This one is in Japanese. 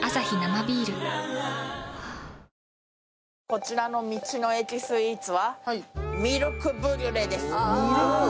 こちらの道の駅スイーツはミルクブリュレです。